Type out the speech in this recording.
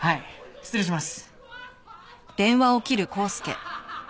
失礼します。